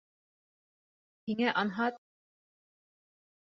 Һиңә анһат!